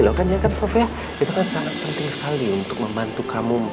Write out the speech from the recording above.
itu kan sangat penting sekali untuk membantu kamu